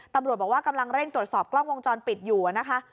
ตำรวจบอกว่ากำลังเร่งตรวจสอบกล้องวงจรปิดอยู่นะคะ